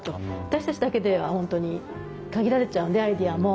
私たちだけでは本当に限られちゃうんでアイデアも。